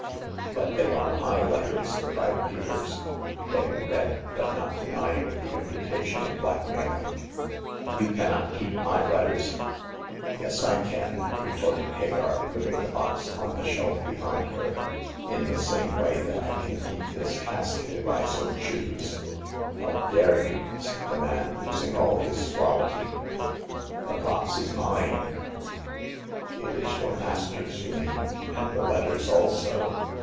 " But they are my letters !" cried Peters get ting red, but not denying the imputation of blackmailing. You cannot keep my letters !"Yes, I can," retorted Hagar, putting the box on the shelf behind her; in the same way that I can keep this casket if I so choose." " How dare you !" said the man, losing all his suavity. The box is mine !"It is your master's, you mean ; and the let ters also.